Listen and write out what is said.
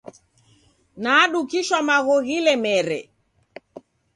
Nadukishwa magho ghilemere.